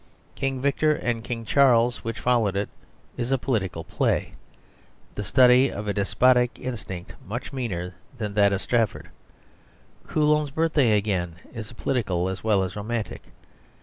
King Victor and King Charles, which followed it, is a political play, the study of a despotic instinct much meaner than that of Strafford. Colombe's Birthday, again, is political as well as romantic.